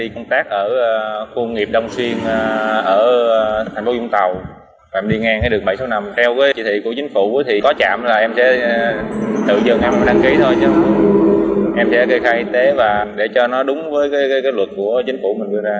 chính phủ có chạm là em sẽ tự dừng em đăng ký thôi em sẽ khai y tế và để cho nó đúng với luật của chính phủ mình vừa ra